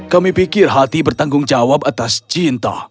kami pikir hati bertanggung jawab atas cinta